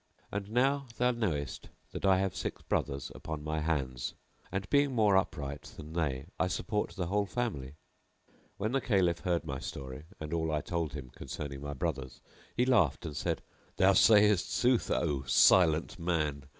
And now thou knowest that I have six brothers upon my hands and, being more upright than they, I support the whole family. When the Caliph heard my story and all I told him concerning my brothers, he laughed and said, "Thou sayest sooth, O Silent Man!